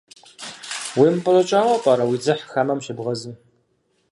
УемыпӀэщӀэкӀауэ пӀэрэ, уи дзыхь хамэм щебгъэзым?